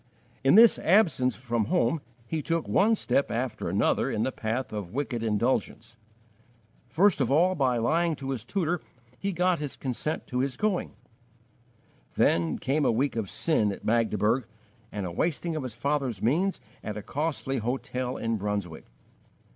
In this absence from home he took one step after another in the path of wicked indulgence. First of all, by lying to his tutor he got his consent to his going; then came a week of sin at Magdeburg and a wasting of his father's means at a costly hotel in Brunswick.